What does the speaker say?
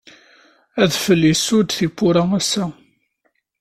Adfel yessud tiwwura ass-a.